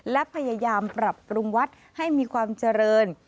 และพยายามปรับปรุงวัดให้มีความเจริญ